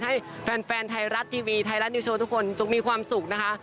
ให้แฟนไทยรัฐทีวีไทยรัฐนิวโชว์ทุกคนจงมีความสุขนะคะ